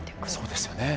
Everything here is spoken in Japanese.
そうですよね。